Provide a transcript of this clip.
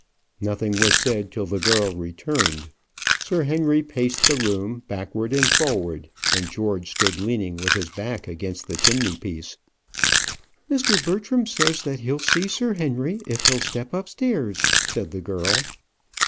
Nothing was said till the girl returned. Sir Henry paced the room backward and forward, and George stood leaning with his back against the chimney piece. "Mr. Bertram says that he'll see Sir Henry, if he'll step up stairs," said the girl.